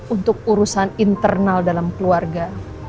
untuk urusan internal dalam keluarga